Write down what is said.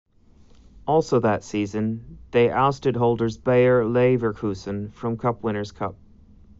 Also that season, they ousted holders Bayer Leverkusen from Cup-Winners' Cup.